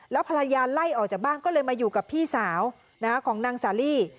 แล้วภรรยาไล่ออกจากบ้านก็เลยมาอยู่กับพี่สาวของนางสาลี